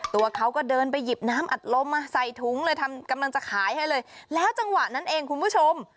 ตัวเขาก็เดินไปหยิบน้ำอัดลมมาใส่ถุงเลยทำกำลังจะขายให้เลยแล้วจังหวะนั้นเองคุณผู้ชม